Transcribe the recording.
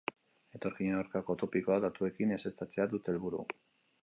Etorkinen aurkako topikoak datuekin ezeztatzea dute helburu.